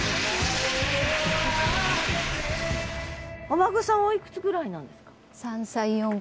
お孫さんおいくつぐらいなんですか？